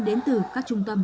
đến từ các trung tâm